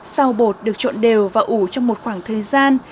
sau bột được trộn đều và ủ trong một khoảng thời gian